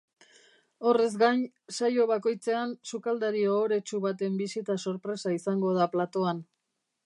Horrez gain, saio bakoitzean sukaldari ohoretsu baten bisita sorpresa izango da platoan.